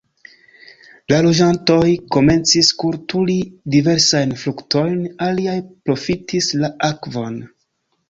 La loĝantoj komencis kulturi diversajn fruktojn, aliaj profitis la akvon.